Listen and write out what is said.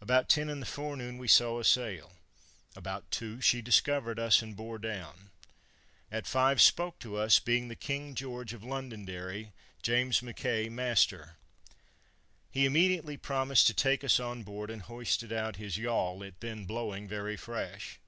About ten in the forenoon we saw a sail; about two she discovered us, and bore down; at five spoke to us, being the King George, of Londonderry, James Mackay, master; he immediately promised to take us on board, and hoisted out his yawl, it then blowing very fresh.